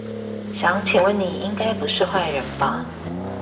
想請問你應該不是壞人吧